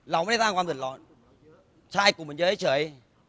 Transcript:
เราไม่ได้ตั้งความเกิดร้อนใช่กลุ่มมันเยอะเฉย